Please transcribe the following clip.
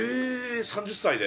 ３０歳で？